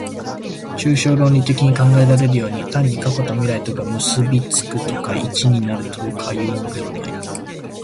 抽象論理的に考えられるように、単に過去と未来とが結び附くとか一になるとかいうのではない。